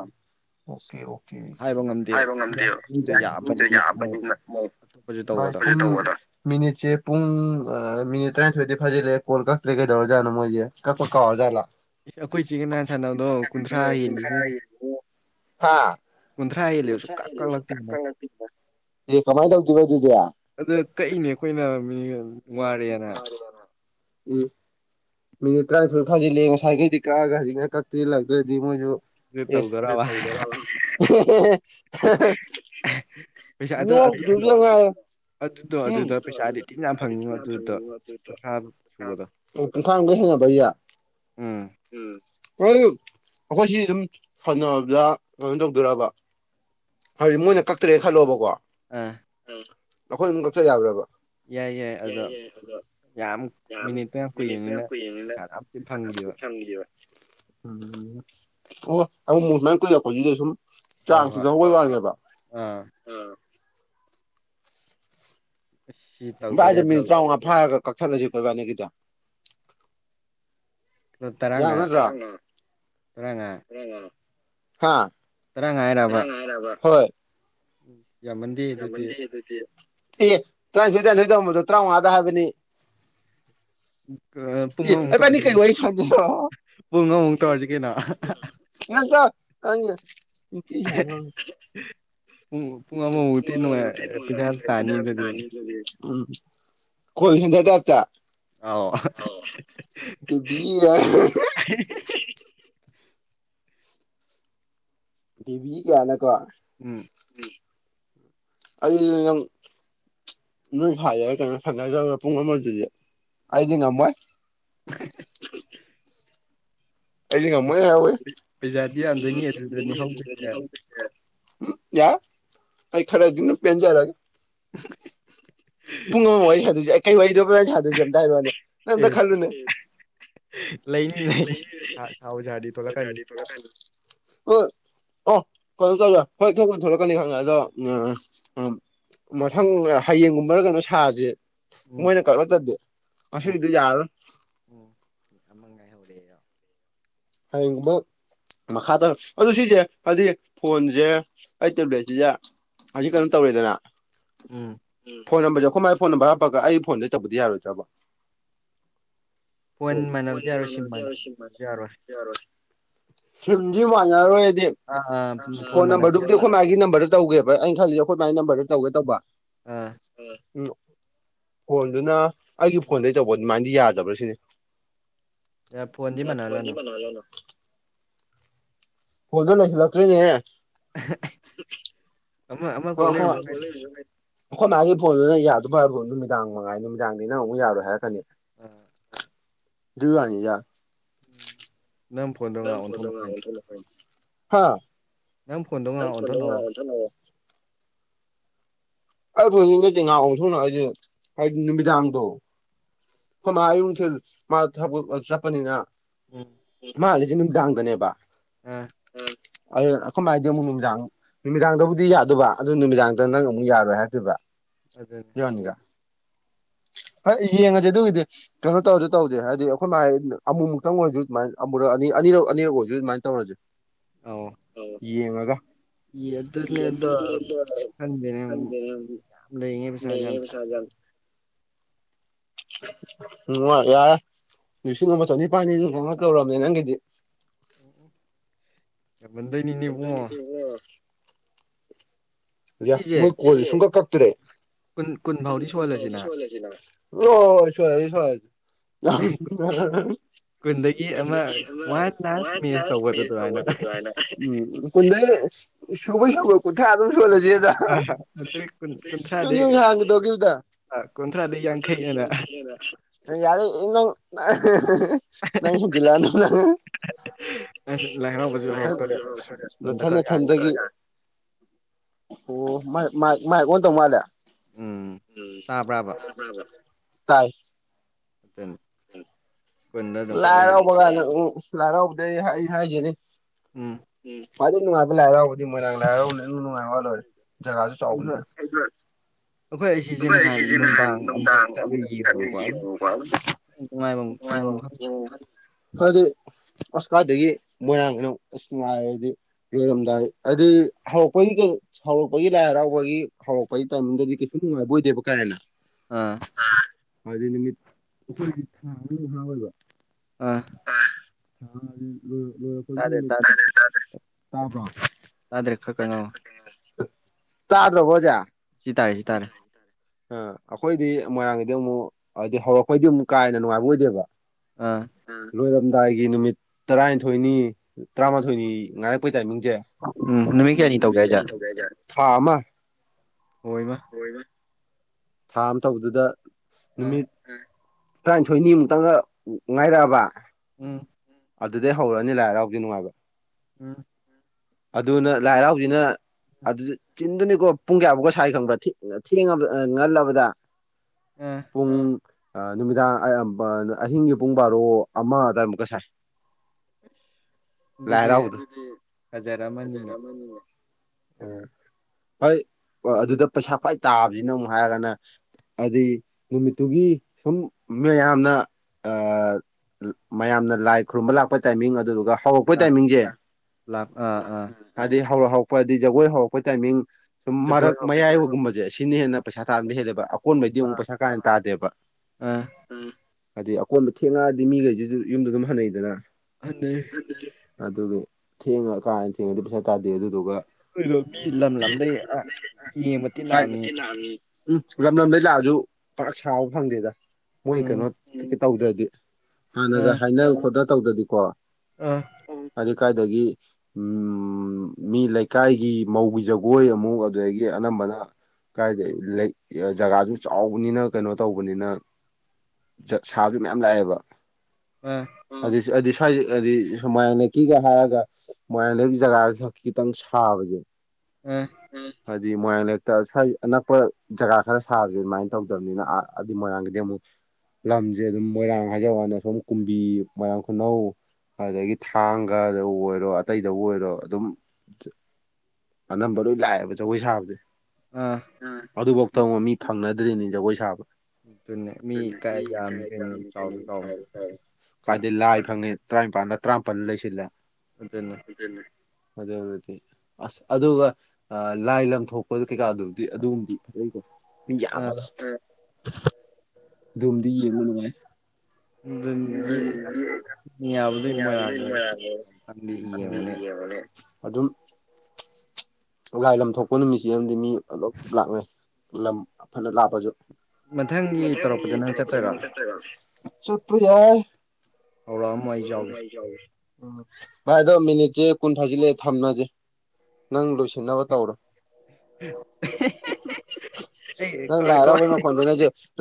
ꯑꯣꯀꯦ ꯑꯣꯀꯦ ꯎꯝ ꯍꯥꯏꯕꯣ ꯉꯝꯗꯦꯕꯗ ꯌꯥꯕꯅꯤ ꯚ ꯃꯤꯅꯤꯁꯦ ꯄꯨꯡ ꯃꯤꯅꯤꯠ ꯇꯔꯥꯅꯤꯊꯣꯏꯗꯗꯤ ꯐꯖꯜꯂꯛꯦ ꯀꯣꯜ ꯀꯛꯇ꯭ꯔꯦ ꯀꯩꯗꯧꯖꯥꯠꯣ ꯃꯣꯏꯁꯦ ꯀꯛꯄ ꯀꯥꯎꯔ ꯖꯥꯠꯂꯥ ꯑꯩꯈꯣꯏꯁꯤ ꯅ ꯈ ꯅꯪꯅ ꯀꯨꯟꯊ꯭ꯔꯥꯔ ꯌꯦ ꯂ ꯀ ꯉ ꯏꯗꯤ ꯀꯃꯥꯏꯅ ꯇꯧꯗꯣꯏꯒꯣ ꯑꯗꯨꯗꯤ ꯎꯝ ꯃꯤꯅꯤꯠ ꯇꯔꯥꯅꯤꯊꯣꯏ ꯐꯥꯖꯤꯜꯂꯦ ꯉꯁꯥꯏꯈꯩꯗꯤ ꯀꯛꯑꯒ ꯍꯧꯖꯤꯛꯅ ꯀꯛꯇꯦ ꯂꯂꯛꯇ꯭ꯔꯗꯤ ꯃꯣꯏꯁꯨ [unintelligible] ꯌ ꯂ ꯑꯗꯣ ꯑꯗꯨꯗ ꯄꯩꯁꯥꯗꯤ ꯊꯤꯟ ꯌꯥꯝ ꯐꯪꯉꯤꯉꯣ ꯑꯗꯨꯗ ꯀꯨꯟꯊ꯭ꯔꯥ ꯁꯨꯕꯗꯣ ꯎꯝ ꯍ ꯑꯩꯈꯣꯏꯁꯤ ꯑꯗꯨꯝ ꯁꯅꯕꯗ ꯀꯩꯅꯣ ꯇꯧꯗꯣꯏꯔꯕ ꯍꯧꯖꯤꯛ ꯃꯣꯏꯅ ꯀꯛꯇ꯭ꯔꯦ ꯈꯜꯂꯣꯕꯀꯣ ꯑ ꯑꯩꯈꯣꯏ ꯑꯃꯨꯛ ꯀꯛꯊ ꯌꯥꯕ꯭ꯔꯕ ꯌꯥꯏ ꯑ ꯌꯥꯝ ꯃꯤꯅꯤꯠꯨꯌꯥꯝ ꯀꯨꯏꯔꯅꯤꯅ ꯐꯪꯈꯤꯕꯕ ꯎꯝ ꯑꯣ ꯑ ꯃꯁꯃꯥꯏ ꯀꯈꯣꯖꯤꯗꯁꯨꯝ ꯍ ꯍꯣ [inaudible] ꯚꯥꯏꯗ ꯃꯤꯅꯤꯠ ꯇꯔꯥꯃꯉꯥ ꯐꯥꯔꯒ ꯀꯛꯊꯠꯂꯁꯤ ꯀꯣꯏꯕꯥꯅꯤꯒꯤꯗ ꯌꯥꯅꯠꯇ꯭ꯔꯥ ꯍꯥ ꯍꯣꯏ ꯎꯝ ꯌꯥꯝ ꯃ ꯣꯏ ꯇꯧꯝꯕꯗꯣ ꯇꯔꯥꯃꯉꯥꯗ ꯍꯥꯏꯕꯅꯤ ꯑ ꯄꯨꯡꯉꯥ ꯍ ꯇꯖꯒ ꯄꯨꯡ ꯑꯃ ꯑꯃꯃꯨꯛ ꯇꯧꯔꯁꯤ ꯀꯩꯅꯣ ꯀ ꯍꯥꯏ ꯎꯝ ꯎꯤ ꯆꯥ ꯁꯅꯤ ꯂꯦ ꯎꯝ ꯀꯣꯜ ꯍꯦꯟꯖ ꯇꯥꯏꯞꯇ ꯑꯗꯨꯕꯤ ꯌꯥ ꯚ ꯀꯌꯥꯅꯀꯣ ꯑ ꯅꯣꯏ ꯍꯥꯏꯌꯦꯔ ꯀꯩꯅꯣ ꯁ ꯄꯨꯡ ꯑꯃꯁꯤꯗꯤ ꯑꯩꯗꯤ ꯉꯝꯃꯣꯏ [inaudible] ꯑ ꯉꯃ ꯌꯥ ꯌꯥ ꯑꯩ ꯈꯔꯗꯤꯅ ꯄꯦꯟꯖꯔꯒꯦ ꯄꯨꯡ ꯑꯃ ꯋꯥꯔꯤ ꯁꯥꯗꯣꯏꯁꯦ ꯑꯩ ꯀꯩ ꯋꯥꯔꯤꯗ ꯋꯥꯔꯤ ꯁꯥꯗꯣꯏꯁꯦ ꯑꯝꯇ ꯍꯥꯏꯔꯣꯅꯦ ꯑꯦ ꯂꯩꯥꯏꯅꯤ ꯂꯩꯅꯤ ꯍꯥꯎ ꯌꯥꯗꯤ ꯇꯣꯂ ꯀꯥꯏꯅꯤ ꯑꯣ ꯑꯣ ꯀ ꯆꯧꯦ ꯍꯣꯏ ꯊꯣꯛꯄꯅꯤ ꯊꯣꯛꯂꯛꯀꯅꯤ ꯈꯪꯉꯦ ꯑꯗꯣ ꯎꯝ ꯎ ꯎꯝ ꯃꯊꯪ ꯍꯌꯦꯡꯒꯨꯝꯕꯔ ꯀꯩꯅꯣ ꯁꯥꯁꯦ ꯃꯣꯏꯅ ꯀꯜꯂ ꯆꯗꯦ ꯑꯗꯨ ꯌꯥꯔꯣꯏ [inaudible] ꯍꯡꯉꯕ ꯃꯈꯥ ꯇꯥꯔꯛ ꯑꯗꯨ ꯁꯤꯁꯦ ꯍꯥꯏꯗꯤꯛ ꯐꯣꯟꯁꯦ ꯑꯩ ꯇꯦꯕ꯭ꯂꯦꯠꯁꯤꯗꯦ ꯍꯧꯖꯤꯛ ꯀꯩꯅꯣꯝ ꯇꯧꯔꯤꯗꯅ ꯐꯣꯟ ꯅꯝꯕꯔꯁꯦ ꯑꯩꯈꯣꯏ ꯃꯥꯏ ꯐꯣꯟ ꯅꯝꯕꯔ ꯍꯥꯞꯄꯒ ꯑꯩ ꯐꯣꯟꯗꯩ ꯇꯧꯕꯗꯤ ꯌꯥꯔꯣꯏꯗ꯭ꯔꯕ ꯐꯣꯏ ꯃꯅ ꯆꯔꯁꯤ ꯃꯅ ꯆ ꯋꯥꯔ ꯁꯨꯝꯗꯤ ꯃꯥꯟꯅꯔꯔꯣꯏꯔꯗꯤ ꯐꯣꯟ ꯅꯝꯕꯔꯗꯨꯕꯨꯗꯤ ꯑꯩꯈꯣꯏ ꯃꯥꯒꯤ ꯅꯝꯕꯔꯗꯨ ꯇꯧꯒꯦꯕ ꯑꯩꯅ ꯈꯜꯂꯤꯁ ꯑꯩꯈꯣꯏ ꯃꯥꯏ ꯅꯝꯕꯔꯗ ꯇꯧꯒꯦ ꯇꯧꯕ ꯎ ꯎꯝ ꯐꯣꯟꯗꯨꯅ ꯑꯩꯒꯤ ꯐꯣꯟꯗꯒꯤꯩ ꯇꯧꯕ ꯑꯗꯨꯃꯥꯏꯅꯗꯤ ꯌꯥꯗꯕ꯭ꯔꯥ ꯁꯤꯅꯤ ꯌꯥ ꯐꯟꯖꯤ ꯃꯅꯥ ꯂꯅ ꯐꯣꯜꯗ ꯅ ꯁꯤꯂꯇꯔꯅꯦ [inaudible] ꯍ ꯍ ꯑꯩꯈꯣꯏ ꯃꯥꯒꯤ ꯐꯣꯟꯗꯨꯅ ꯌꯥꯗꯕ ꯍꯥꯏꯣ ꯅꯨꯃꯤꯗꯥꯡ ꯃꯉꯥꯏ ꯅꯨꯃꯤꯗꯥꯡꯅꯤꯅꯪ ꯑꯃꯨꯛ ꯌꯥꯔꯣꯏ ꯍꯥꯏꯔꯛꯀꯅꯤ ꯑ ꯋꯥꯅꯤ ꯌꯥ ꯅ ꯐꯗ ꯐ ꯌꯥꯝ ꯀ ꯅ ꯊ ꯅꯉꯣ ꯑ ꯊꯉꯑꯣꯣ ꯅꯨꯃꯤꯗꯥꯝ ꯇ ꯍꯣꯏ ꯃꯥ ꯑꯌꯨꯁꯦ ꯃꯥ ꯆꯠꯄꯅꯤꯅ ꯃꯥꯂꯁꯦ ꯃꯤꯗꯥꯒꯅꯦꯕ ꯑ ꯑ ꯑꯩꯈꯃ ꯍꯥꯏꯗꯤ ꯑꯃꯨꯛ ꯅꯨꯃꯤꯗꯥꯡ ꯅꯨꯃꯤꯗꯥꯡꯗꯕꯨꯗꯤ ꯌꯥꯗꯕ ꯑꯗꯨ ꯅꯨꯃꯤꯗꯥꯡꯗ ꯅꯪ ꯑꯃꯨꯛ ꯌꯥꯔ ꯍꯦ ꯇꯔꯤꯕ ꯌꯅꯤꯒ [inaudible] ꯍ ꯌꯦꯡꯉꯁꯦ ꯑꯗꯨꯒꯤꯗꯤ ꯀꯩꯅꯣ ꯇꯧꯔꯁꯨ ꯇꯧꯗꯦ ꯍꯥꯏꯗꯤ ꯑꯩꯈꯣꯏ ꯃꯥ ꯑꯃꯨꯃꯨꯛꯇꯪ ꯑꯣꯏꯔꯁꯨ ꯑꯗꯨꯃꯥꯏꯅ ꯑꯃꯨꯔꯛ ꯑꯅꯤ ꯑꯅꯤꯔꯛ ꯑꯅꯤꯔꯛ ꯑꯣꯏꯁꯤ ꯑꯗꯨꯃꯥꯏꯅ ꯇꯧꯔꯁꯦ ꯑ ꯌꯦꯡꯉꯒ ꯑꯦꯗꯅꯦꯣ ꯈꯪꯗꯦꯅꯦ ꯑꯗꯨ ꯁꯖ [inaudible] ꯎ ꯌꯥ ꯂꯤꯁꯤꯡ ꯑꯃ ꯆꯅꯤꯄꯥꯜꯅꯤ ꯑꯗꯨꯅ ꯀꯧꯔꯑꯕꯅꯦ ꯅꯪꯒꯤꯗꯤ ꯎꯗꯅꯤꯅꯦꯕꯨꯡꯑꯣꯣ ꯃꯣꯏ ꯀꯣꯜ ꯁ ꯀꯞꯇꯔꯦ ꯍ ꯁ ꯁ ꯀꯟ ꯋꯥ ꯂꯁ ꯁ ꯊꯅ ꯀ ꯁꯨꯕꯣꯏ ꯁꯨꯕ ꯀꯣꯊ ꯑꯗꯨ ꯊꯣꯂꯁꯤꯗ ꯁꯨꯝ ꯌꯨꯝ ꯍꯥꯡꯒꯗꯧꯒꯦ ꯁꯤꯗ ꯌꯥꯦ ꯏ ꯅꯪꯖꯤ ꯂꯅ ꯅꯊꯅ ꯊꯝꯗꯒꯤ ꯑꯣ ꯃꯥ ꯀꯣꯟ ꯇ ꯃꯥꯂ ꯇꯥꯏ ꯑꯗꯨꯅꯤ ꯎꯝ ꯂꯥꯔꯑꯣ ꯂꯥꯔꯥꯎꯗ ꯍꯥꯏ ꯍꯥꯏꯅꯤ ꯎꯝ ꯃꯥꯗꯤ ꯅꯨꯡꯉꯥꯏꯕ ꯂꯥꯏ ꯍꯔꯥꯎꯕꯗꯤ ꯃꯣꯏꯔꯥꯡ ꯂꯥꯏ ꯍꯔꯥꯎꯕꯅꯤ ꯑꯗꯨ ꯅꯨꯡꯉꯥꯏꯕ ꯂꯣꯏꯔꯦ ꯖꯒꯥꯁꯨ ꯆꯥꯎꯕꯅꯤꯅ ꯈꯣꯏ ꯁꯤꯁꯤꯅ ꯍꯥꯏ ꯅꯨꯡꯗꯥꯡ ꯆ ꯃꯥꯏ ꯑꯗꯨꯗꯤ ꯑꯁꯀꯥꯗꯒꯤ ꯃꯣꯏꯔꯥꯡꯒꯅꯨ ꯑꯁ ꯅꯨꯡꯉꯥꯏꯔꯗꯤ ꯂꯩꯣꯏꯔꯝꯗꯥꯏ ꯑꯗꯨ ꯍꯧꯔꯛꯄꯒꯤ ꯍꯧꯔꯛꯄꯒꯤ ꯂꯥꯏ ꯍꯔꯥꯎꯕꯒꯤ ꯍꯧꯔꯛꯄꯒꯤ ꯇꯥꯏꯃꯤꯗꯗꯤ ꯀꯩ ꯅꯨꯡꯉꯥꯏꯕ ꯑꯣꯏꯣꯏꯗꯦꯕ ꯀꯥꯏꯅ ꯑꯥ ꯍꯥꯏꯗꯤ ꯅꯨꯃꯤꯠ ꯅꯤꯐꯨꯅꯤꯒꯤ ꯊꯥ ꯑꯅꯤꯗꯥ ꯀꯩꯁꯨ ꯐꯔꯣꯏꯕ [inaudible] [unintelligible] ꯍꯥꯏꯗꯤ ꯂꯣꯏꯔꯛ ꯂꯣꯏꯔꯛꯄꯒꯤ ꯅꯨꯃꯤꯠ ꯇꯥꯗꯦ ꯇꯥꯗꯦ ꯇꯥꯕ꯭ꯔꯣ [unintelligible] [inaudible] ꯇꯥꯗ꯭ꯔꯣꯕꯣ ꯑꯣꯖ ꯁꯤ ꯇꯥꯔꯦ ꯁꯤ ꯇꯥꯔꯦ ꯑ ꯑꯩꯈꯣꯏꯗꯤ ꯃꯣꯏꯔꯥꯡꯒꯤꯗꯤ ꯑꯃꯨꯛ ꯍꯥꯏꯗꯤ ꯍꯧꯔꯛꯄꯩꯗꯤ ꯑꯃꯨꯛ ꯀꯥ ꯍꯦꯟꯅ ꯅꯨꯡꯉꯥꯏꯕ ꯑꯣꯏꯗꯦꯕ ꯎꯝ ꯂꯣꯏꯔꯝꯗꯥꯏꯒꯤ ꯅꯨꯃꯤꯠ ꯇꯔꯥꯅꯤꯊꯣꯏꯅꯤ ꯇꯔꯥꯃꯥꯊꯣꯏꯅꯤ ꯉꯥꯡꯔꯛꯄꯩ ꯇꯥꯏꯃꯤꯡꯁꯦ ꯎꯝ ꯅꯨꯃꯤꯠ ꯀꯌꯥꯅꯤ ꯇꯧꯒ ꯍꯥꯏꯖꯦ ꯊꯥ ꯑꯃ ꯍꯣ ꯏꯃ ꯍꯣ ꯏꯃ ꯊꯥ ꯑꯃ ꯇꯧꯕꯗꯨꯗ ꯅꯨꯃꯤꯠ ꯇꯔꯥꯅꯤꯊꯣꯏꯅꯤ ꯃꯨꯛꯇꯪꯒ ꯉꯥꯏꯔꯛꯑꯕ ꯎꯝ ꯑꯗꯨꯗꯩ ꯍꯧꯔꯅꯤ ꯂꯥꯏ ꯍꯔꯥꯎꯕꯗꯤ ꯅꯨꯡꯉꯥꯏꯕ ꯎꯝ ꯑꯗꯨꯅ ꯂꯥꯏ ꯍꯔꯥꯎꯕꯖꯤꯅ ꯑꯗꯨꯖꯨ ꯆꯤꯟꯗꯨꯅꯤꯀꯣ ꯄꯨꯡ ꯀꯌꯥꯐꯧꯛꯀ ꯁꯥꯏ ꯈꯪꯕ꯭ꯔꯥ ꯊꯦꯡ ꯉꯥ ꯊꯦꯡꯉꯕ ꯑꯥ ꯉꯜꯂꯕꯗ ꯄꯨꯡ ꯑꯥ ꯅꯨꯃꯤꯗꯥꯡ ꯑꯥ ꯕꯥ ꯅ ꯑꯍꯤꯡꯒꯤ ꯄꯨꯡ ꯕꯥꯔꯣ ꯑꯃ ꯑꯗꯨꯋꯥꯏꯃꯨꯛꯀ ꯁꯥꯏ ꯑꯗꯨꯗꯤ ꯐꯖꯔꯦ ꯐꯖꯔꯝꯃꯅꯤꯅꯦ ꯑ ꯍꯣꯏ ꯑꯗꯨꯗ ꯄꯩꯁꯥ ꯈ꯭ꯋꯥꯏ ꯇꯥꯕꯖꯤꯅ ꯑꯃꯨꯛ ꯍꯥꯏꯔꯒꯅ ꯍꯥꯏꯗꯤ ꯅꯨꯃꯤꯠꯇꯨꯒꯤ ꯁꯨꯝ ꯃꯌꯥꯝꯅ ꯑ ꯃꯌꯥꯝꯅ ꯂꯥꯏ ꯈꯨꯔꯨꯝꯕ ꯂꯥꯛꯄ ꯇꯥꯏꯃꯤꯡ ꯑꯗꯨꯗꯨꯒ ꯍꯧꯔꯛꯄ ꯇꯥꯏꯃꯤꯡꯖꯦ ꯍꯥꯏꯗꯤ ꯍꯧꯔꯛ ꯍꯧꯔꯛꯄꯗꯤ ꯖꯒꯣꯏ ꯍꯧꯔꯛꯄ ꯇꯥꯏꯃꯤꯡ ꯁꯨꯝ ꯃꯔꯛ ꯃꯌꯥꯏꯕꯒꯨꯝꯕꯁꯖꯦ ꯁꯤꯅ ꯍꯦꯟꯅ ꯄꯩꯁꯥ ꯇꯥꯥꯟꯕ ꯍꯦꯜꯂꯦꯕ ꯑꯀꯣꯟꯕꯩꯗꯤ ꯑꯃꯨꯛ ꯄꯩꯁꯥ ꯀꯥ ꯍꯦꯟꯅ ꯇꯥꯗꯦꯕ ꯑ ꯍꯥꯏꯗꯤ ꯑꯀꯣꯟꯕ ꯊꯦꯡꯉꯛꯑꯗꯤ ꯃꯤꯒꯩꯖꯤꯖꯨ ꯌꯨꯝꯗ ꯗꯨꯝ ꯍꯟꯅꯩꯗꯅ ꯑꯗꯨ ꯃꯤ ꯊꯦꯡꯉ ꯀꯥ ꯍꯦꯟꯅ ꯊꯦꯡꯉꯗꯤ ꯄꯩꯁꯥ ꯇꯥꯗꯦ ꯑꯗꯨꯗꯨꯒ ꯑꯩꯈꯣꯏꯗꯣ ꯃꯤ ꯂꯝ ꯂꯝꯗꯩ ꯑ ꯌꯦꯡꯕ ꯊꯤ ꯂꯥꯛꯑꯝꯃꯤ ꯎꯝ ꯂꯝ ꯂꯝꯗꯗꯩ ꯂꯥꯛꯑꯖꯨ ꯄꯥꯛ ꯁꯥꯕ ꯐꯪꯗꯦꯗ ꯃꯣꯏ ꯀꯩꯅꯣ ꯇꯧꯗ꯭ꯔꯗꯤ ꯍꯥꯟꯅꯒ ꯍꯥꯏꯅ ꯈꯣꯠꯅ ꯇꯧꯗ꯭ꯔꯗꯤꯀꯣ ꯑ ꯑꯗꯨ ꯀꯥꯏꯗꯒꯤ ꯎꯝ ꯎꯝ ꯃꯤ ꯂꯩꯀꯥꯏꯒꯤ ꯃꯧꯒꯤ ꯖꯒꯣꯏ ꯑꯃꯨꯛ ꯑꯗꯨꯗꯒꯤ ꯑꯅꯝꯕꯅ ꯀꯥꯏꯗꯩ ꯂꯩ ꯖꯒꯥꯖꯨ ꯆꯥꯎꯕꯅꯤꯅ ꯀꯩꯅꯣ ꯇꯧꯕꯅꯤꯅ ꯆꯥ ꯁꯥꯕꯗꯤ ꯃꯌꯥꯝ ꯂꯥꯛꯑꯦꯕ ꯍꯥꯏꯗꯤ ꯍꯥꯏꯗꯤ ꯁ꯭ꯋꯥꯏꯒꯗꯤ ꯁꯨꯃꯥꯏꯅꯀꯤꯒ ꯍꯥꯏꯔꯒ ꯃꯣꯏꯌꯥꯥꯡ ꯂꯩꯔꯛꯀꯤ ꯖꯒꯥ ꯈꯛ ꯈꯤꯇꯪ ꯁꯥꯕꯖꯦ ꯗꯤ ꯃꯣꯏꯔꯥꯡ ꯂꯩꯛꯇ ꯁ꯭ꯋꯥꯏ ꯑꯅꯛꯄ ꯖꯒꯥ ꯈꯔ ꯁꯥꯕꯁꯦ ꯑꯗꯨꯃꯥꯏꯅ ꯇꯧꯗꯕꯅꯤꯅ ꯑ ꯑꯗꯨ ꯃꯣꯏꯔꯥꯡꯗꯒꯤꯗꯤ ꯑꯃꯨꯛ ꯂꯝꯖꯦ ꯑꯗꯨꯝ ꯃꯣꯏꯔꯥꯡ ꯍꯥꯏꯖꯕ ꯋꯅꯦ ꯑꯁꯣꯝ ꯀꯨꯝꯕꯤ ꯃꯣꯏꯔꯥꯡ ꯈꯨꯟꯅꯧ ꯑꯗꯒꯤ ꯊꯥꯡꯒꯗꯩꯕꯨ ꯑꯣꯏꯔꯣ ꯑꯇꯩꯗꯕꯨ ꯑꯣꯏꯔꯣ ꯑꯗꯨꯝ ꯆ ꯑꯅꯝꯕ ꯂꯣꯏ ꯂꯥꯛꯑꯦꯕ ꯖꯒꯣꯏ ꯁꯥꯕꯁꯦ ꯎꯝ ꯑꯗꯨꯐꯧꯇ ꯉꯣ ꯃꯤ ꯐꯪꯅꯗ꯭ꯔꯤꯅꯤ ꯖꯒꯣꯏ ꯁꯥꯕ ꯀꯥꯏꯗꯩ ꯂꯥꯏ ꯐꯪꯉꯦ ꯇ꯭ꯔꯥꯏꯟꯄꯜꯂ ꯇ꯭ꯔꯥꯝꯄꯜꯂ ꯂꯩꯁꯤꯜꯂꯦ ꯑꯗꯨꯅꯦ ꯐꯖꯕꯗꯤ ꯑꯁ ꯑꯗꯨꯒ ꯑꯥ ꯂꯥꯏ ꯂꯝꯊꯣꯛꯄꯗꯨ ꯀꯩꯀꯥꯗꯨꯕꯨꯗꯤ ꯑꯗꯨꯒꯨꯝꯕꯗꯤ ꯐꯖꯩꯀꯣ ꯃꯤ ꯌꯥꯝꯃꯒ ꯑ ꯑꯗꯨꯃꯗꯤ ꯌꯦꯡꯕ ꯅꯨꯡꯉꯥꯏ ꯑꯗꯨꯕꯨꯗꯤ ꯃꯤ ꯌꯝꯃꯗꯤ ꯅꯨꯡꯉꯥꯔꯕꯣ ꯕ ꯑꯗꯨꯝ ꯂꯥꯏ ꯂꯝ ꯊꯣꯛꯄ ꯅꯨꯃꯤꯠꯁꯤ ꯑꯃꯗꯤ ꯃꯤ ꯑꯗꯨ ꯂꯥꯛꯅꯩ ꯂꯝ ꯐꯅ ꯂꯥꯛꯞꯄꯁꯨ ꯃꯊꯪ ꯇꯔꯛꯄꯗꯤ ꯅꯪ ꯆꯠꯠꯇꯒꯠꯄ ꯑꯧꯔꯥ ꯃꯥꯏ ꯆꯥꯎꯋꯤ ꯎ ꯚꯥꯏ ꯑꯗꯣ ꯃꯤꯅꯤꯠꯁꯦ ꯀꯨꯟ ꯊꯥꯖꯤꯜꯂꯑꯦ ꯊꯝꯅꯁꯦ ꯅꯪ ꯂꯣꯏꯁꯤꯟꯅꯕ ꯇꯧꯔꯣ [inaudible] ꯅꯪ ꯂꯥꯏꯔꯥ ꯀꯣꯏ ꯃ ꯈꯣꯟꯅ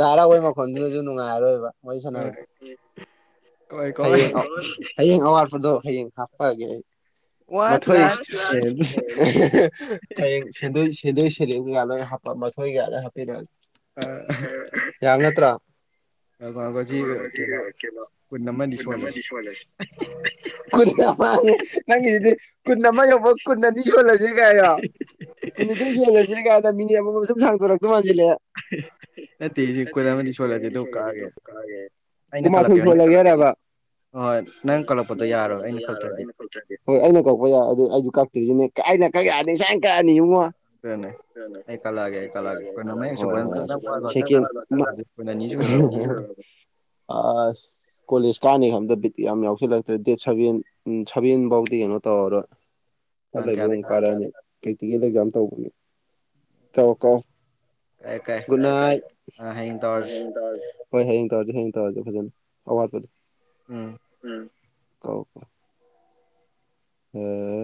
ꯂꯥꯏꯔꯥ ꯀꯣꯏ ꯃ ꯈꯣꯟꯅ ꯅꯨꯡꯉꯥꯏꯣꯏꯕ ꯋꯥꯔꯤ ꯁꯥꯟꯅꯕꯁ ꯍꯌꯦꯡꯋꯥ ꯍꯌꯦꯡꯋꯥꯠ ꯗꯣ ꯍꯌꯦꯡ ꯍꯥꯄꯑꯦ ꯃꯊꯣꯏ ꯁꯦꯗꯣꯏ ꯁꯤꯦꯗꯣꯏ ꯐꯤꯔ ꯌꯥꯂꯣꯏ ꯃꯊꯣꯏ ꯌꯥꯂꯣꯏ ꯍꯥꯞꯄꯤꯔꯛꯒ ꯌꯥ ꯅꯠꯇ꯭ꯔꯥ ꯃꯥꯡꯃꯖꯤ ꯀꯂ ꯅꯃꯗꯤꯁ ꯋꯥꯂꯁ ꯦ ꯅꯪꯗꯤ ꯀꯟꯅꯃ ꯌꯕ ꯈꯨꯨꯟꯅꯅꯤ ꯁꯂ ꯀ ꯀꯨꯟꯅꯤꯊꯣꯏ ꯁꯨꯍꯦꯜꯂꯦ ꯁꯤꯔꯤ ꯀꯥꯏꯗ ꯃꯤꯅꯤꯠ ꯑꯃꯃꯝ ꯁꯨꯝ ꯁꯥꯡꯗꯣꯔꯛꯇꯜꯦ ꯃꯅꯤꯦ ꯇ ꯀꯑꯦ ꯀꯨꯃꯊꯣꯏꯁꯂꯒꯦꯔꯦꯕ ꯍꯣꯏ ꯅꯪ ꯀꯜꯂꯛꯄꯗꯣ ꯌꯥꯔꯣꯏ ꯑꯩꯅ ꯀꯛꯇ꯭ꯔꯗꯤ ꯍꯣꯏ ꯑꯩꯅ ꯀꯛꯄ ꯌꯥꯏ ꯑꯗꯨ ꯑꯩꯁꯨ ꯀꯛꯇ꯭ꯔꯤꯁꯤꯅꯦ ꯑꯩꯅ ꯀꯛ ꯌꯥꯔꯅꯤ ꯏꯟꯁꯥꯡꯅ ꯀꯛꯑꯅꯤ ꯌꯦꯡꯨꯡꯉꯣ ꯑꯗꯨꯅꯦ ꯑꯩ ꯀꯜꯂꯛꯑꯒꯦ ꯑꯩ ꯀꯜꯂꯛꯒꯦ ꯑꯩꯈꯣꯏꯅ ꯃꯌꯦꯛ ꯁꯨꯕꯅꯤ ꯁꯨꯔꯕ ꯑ ꯀꯣꯂꯤꯁ ꯀꯥꯅ ꯈꯟꯗ ꯕꯤꯠ ꯌꯥꯝ ꯌꯥꯎꯁꯤꯜꯂꯛꯇ꯭ꯔꯦ ꯗꯦꯠ ꯁꯚꯦꯟ ꯁꯚꯦꯟ ꯐꯥꯎꯗꯤ ꯀꯩꯅꯣ ꯇꯧꯔꯔꯣꯏ ꯑꯗꯕꯨ ꯀꯥꯔꯛꯑꯅꯤ ꯄ꯭ꯔꯦꯛꯇꯤꯀꯦꯜ ꯑꯦꯛꯖꯥꯝ ꯇꯧꯕꯒꯤ ꯀ ꯀ ꯨꯗꯅꯥꯏ ꯑ ꯍꯣꯏ ꯍꯦꯡ ꯇꯧꯔ ꯍꯦꯡ ꯇꯧꯔ ꯐꯖꯅ ꯍꯋꯥ ꯀ ꯎꯝ ꯇꯧ ꯀ ꯑꯣꯝ